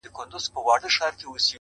پر پاتا یې نصیب ژاړي په سرو سترګو-